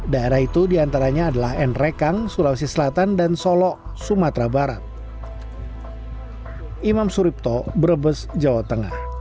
daerah itu diantaranya adalah nrekang sulawesi selatan dan solo sumatera barat